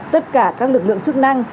tất cả các lực lượng chức năng